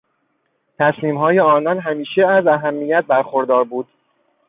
تصمیمهای آنان همیشه از اهمیت برخوردار بود.